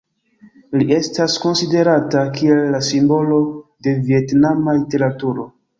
Li estas konsiderata kiel la simbolo de vjetnama literaturo.